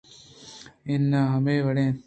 اناں ہمے وڑ اِنت